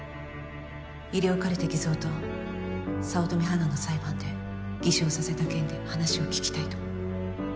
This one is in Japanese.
医療カルテ偽造と早乙女花の裁判で偽証させた件で話を聞きたいと。